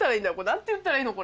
何て言ったらいいの？